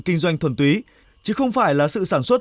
kinh doanh thuần túy chứ không phải là sự sản xuất